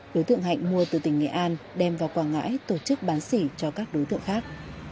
đối tượng hạnh mua từ tỉnh nghệ an đem vào quảng ngãi tổ chức bán xỉ cho các đối tượng khác